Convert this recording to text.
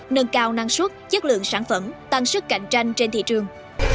nâng cao năng suất chất lượng sản phẩm tăng sức cạnh tranh trên thị trường